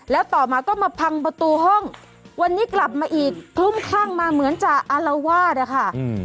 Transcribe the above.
แล้วต่อมาก็มาพังประตูห้องวันนี้กลับมาอีกคลุ้มคลั่งมาเหมือนจะอารวาสอะค่ะ